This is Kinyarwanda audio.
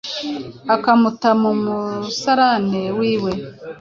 akamuta mu musarane wiwe